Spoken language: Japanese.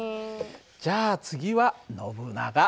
じゃあ次はノブナガ。